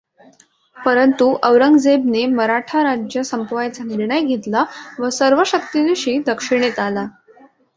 परंतु औरंगजेबने मराठा राज्य संपवायचा निर्णय घेतला व सर्वशक्तीनीशी दक्षिणेत आला.